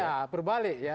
ya berbalik ya